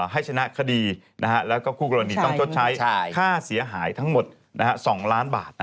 ให้ชนะคดีแล้วก็คู่กรณีต้องชดใช้ค่าเสียหายทั้งหมด๒ล้านบาท